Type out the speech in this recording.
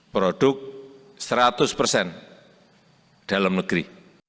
produk seratus persen dalam negeri